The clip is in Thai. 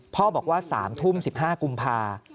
พ่อบอกว่า๓ทุ่ม๑๕กุมภา